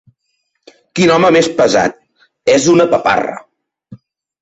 Quin home més pesat: és una paparra.